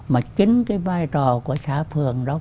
mà chính cái vai trò của xã phường đó